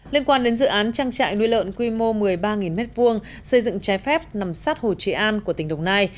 liên quan đến dự án trang trại nuôi lợn quy mô một mươi ba m hai xây dựng trái phép nằm sát hồ trị an của tỉnh đồng nai